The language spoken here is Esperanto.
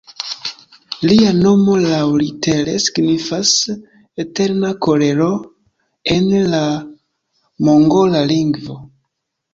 Lia nomo laŭlitere signifas "Eterna Kolero" en la mongola lingvo.